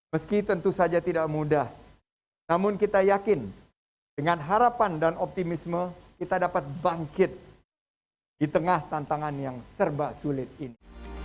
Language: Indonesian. meski tentu saja tidak mudah namun kita yakin dengan harapan dan optimisme kita dapat bangkit di tengah tantangan yang serba sulit ini